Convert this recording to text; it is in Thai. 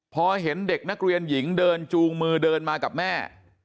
พอเห็นเด็กนักเรียนหญิงเดินจูงมือเดินมากับแม่